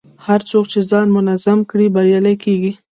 هر څوک چې ځان منظم کړي، بریالی کېږي.